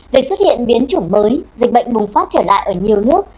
việc xuất hiện biến chủng mới dịch bệnh bùng phát trở lại ở nhiều nước